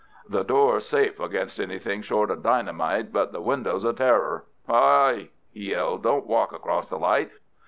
"The door's safe against anything short of dynamite, but the window's a terror. Hi! hi!" he yelled, "don't walk across the light!